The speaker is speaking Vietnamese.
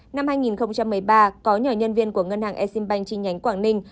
năm hai nghìn một mươi ba có nhỏ nhân viên của ngân hàng exim bank trên nhánh quảng ninh